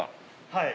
はい。